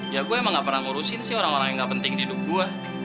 ya gue emang gak pernah ngurusin sih orang orang yang gak penting di hidup gue